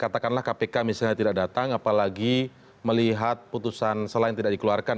katakanlah kpk misalnya tidak datang apalagi melihat putusan selain tidak dikeluarkan